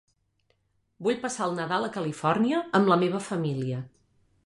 Vull passar el Nadal a Califòrnia amb la meva família.